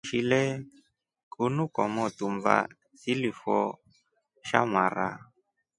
Uishile kunu kwa motu mbaa silifoe sha mara.